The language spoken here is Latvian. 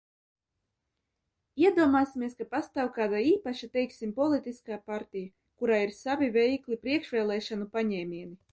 Iedomāsimies, ka pastāv kāda īpaša, teiksim, politiskā partija, kurai ir savi veikli priekšvēlēšanu paņēmieni.